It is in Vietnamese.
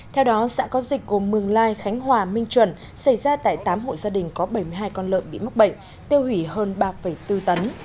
theo đó xã có dịch gồm mường lai khánh hòa minh chuẩn xảy ra tại tám hộ gia đình có bảy mươi hai con lợn bị mắc bệnh tiêu hủy hơn ba bốn tấn